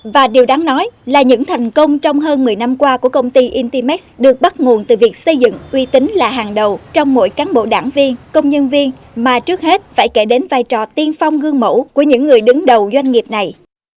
và điều đáng nói là những thành công trong hơn một mươi năm qua của công ty internet được bắt nguồn từ việc xây dựng uy tín là hàng đầu trong mỗi cán bộ đảng viên công nhân viên mà trước hết phải kể đến vai trò tiên phong gương mẫu của những người đứng đầu doanh nghiệp này